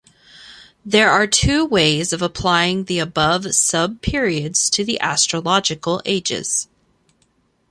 There are two ways of applying the above sub-periods to the astrological ages.